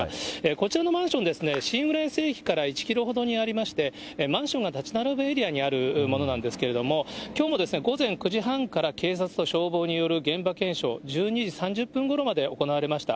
こちらのマンションですね、新浦安駅から１キロほどにありまして、マンションが建ち並ぶエリアにあるものなんですけれども、きょうも午前９時半から警察と消防による現場検証、１２時３０分ごろまで行われました。